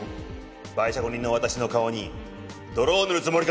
媒酌人の私の顔に泥を塗るつもりかね。